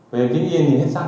bây giờ chính yên nhìn hết sắc